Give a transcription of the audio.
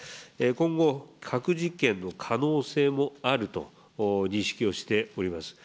今後、核実験の可能性もあると認識をしております。